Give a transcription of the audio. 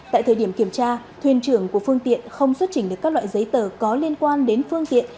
tại thời điểm kiểm tra thuyền trưởng của phương tiện không xuất trình được các loại giấy tờ có liên quan đến phương tiện